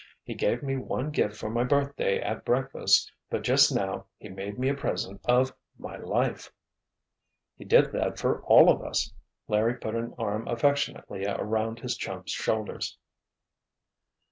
"He gave me one gift for my birthday at breakfast. But just now he made me a present of my life." "He did that for all of us." Larry put an arm affectionately around his chum's shoulders.